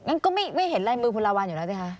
งั้นก็ไม่เห็นลายมือคุณลาวัลอยู่แล้วสิคะ